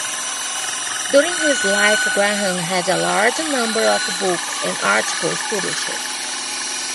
During his life Graham had a large number of books and articles published.